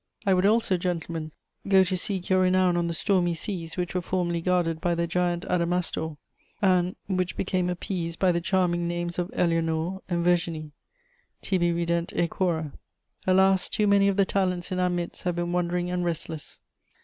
I would also, gentlemen, go to seek your renown on the stormy seas which were formerly guarded by the giant Adamastor, and which became appeased by the charming names of Éléonore and Virginie. Tibi rident æquora. "Alas, too many of the talents in our midst have been wandering and restless!